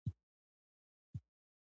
چلوونکی باید تجربه ولري.